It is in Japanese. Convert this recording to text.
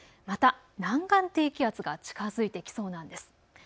また、南岸低気圧が近づいてきそうなんです。